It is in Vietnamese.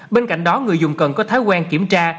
bên cạnh đó người dùng cần có thói quen kiểm tra